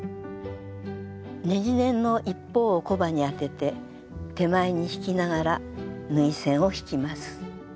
ねじネンの一方をコバに当てて手前に引きながら縫い線を引きます。